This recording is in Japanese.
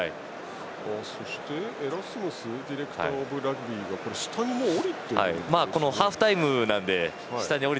そして、エラスムスディレクターオブラグビーが下に降りているんですかね。